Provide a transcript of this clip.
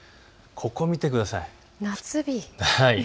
ここを見てください、夏日。